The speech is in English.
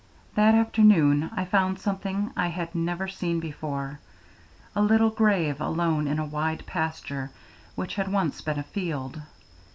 That afternoon I found something I had never seen before a little grave alone in a wide pasture which had once been a field.